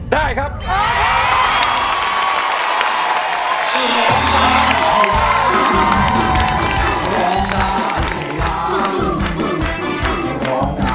ได้ครับ